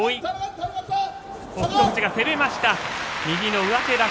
右の上手